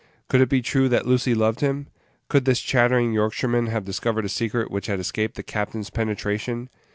Could it be true that Lucy loved him? Could this chattering Yorkshireman have discovered a secret which had escaped the captain's penetration?